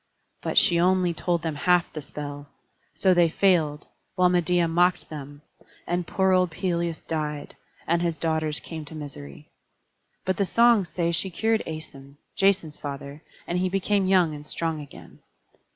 But she only told them half the spell; so they failed, while Medeia mocked them; and poor old Pelias died, and his daughters came to misery. But the songs say she cured Æson, Jason's father, and he became young and strong again.